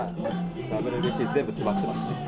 ＷＢＣ全部詰まってます。